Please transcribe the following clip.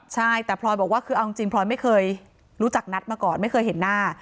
ใช่แต่พลอยบอกว่าคือเอาจริงพลอยไม่เคยรู้จักนัทมาก่อนไม่เคยเห็นหน้า